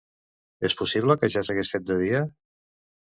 És possible que ja s'hagués fet de dia?